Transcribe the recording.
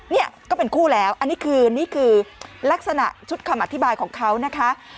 นี่ก็เป็นคู่แล้วอันนี้คือนี่คือลักษณะชุดคำอธิบายของเขานะคะ